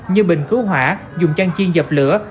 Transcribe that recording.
như bình cứu hỏa dùng chăn chiên dập lửa